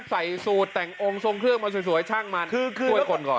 ใส่สูตรแต่งองค์ทรงเครื่องมาสวยช่างมันช่วยคนก่อน